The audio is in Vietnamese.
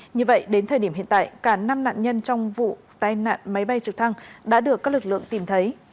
như vậy đến thời điểm hiện tại cả năm nạn nhân trong vụ tai nạn máy bay trực thăng đã được các lực lượng tìm thấy